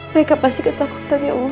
mereka pasti ketakutan ya allah